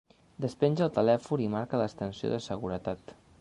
Despenja el telèfon i marca l'extensió de seguretat.